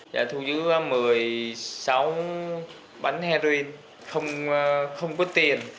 và thu giữ một mươi sáu bánh heroin không có tiền